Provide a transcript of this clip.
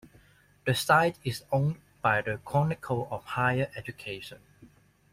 The site is owned by "The Chronicle of Higher Education".